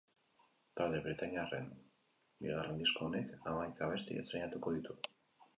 Talde britainiarraren bigarren disko honek hamaika abesti estreinatuko ditu.